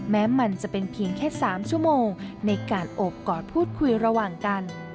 แม้มันจะเป็นเพียงแค่๓ชั่วโมงในการโอบกอดพูดคุยระหว่างกัน